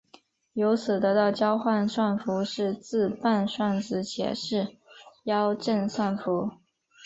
由此得到交换算符是自伴算子且是幺正算符。